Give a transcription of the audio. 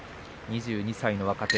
２２歳の若手。